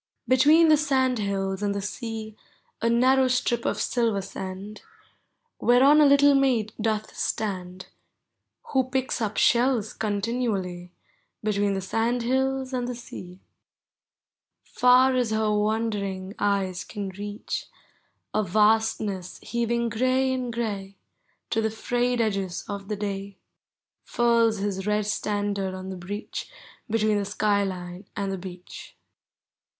Between the sandhills and the sea A narrow strip of silver sand. Whereon a little maid doth stand, Who picks up shells continually, Between the sandhills and the sea. Far as her wondering eyes can reach, A vastness heaving gray in gray To the frayed edges of the day Furls his red standard on the breach Between the sky line and the bench.